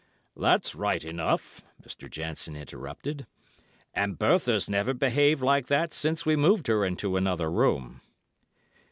"That's right enough," Mr. Jansen interrupted; "and Bertha's never behaved like that since we moved her into another room."